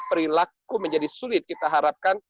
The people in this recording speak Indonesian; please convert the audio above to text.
perilaku menjadi sulit kita harapkan